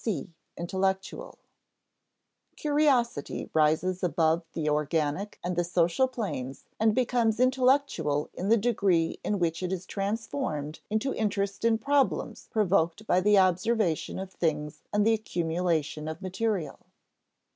[Sidenote: (c) intellectual] (c) Curiosity rises above the organic and the social planes and becomes intellectual in the degree in which it is transformed into interest in problems provoked by the observation of things and the accumulation of material.